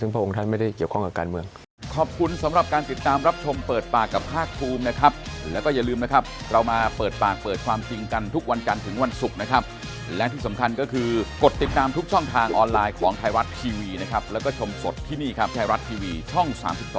พระองค์ท่านไม่ได้เกี่ยวข้องกับการเมือง